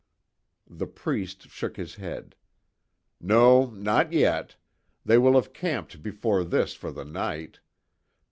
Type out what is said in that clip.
The priest shook his head: "No, not yet. They will have camped before this for the night."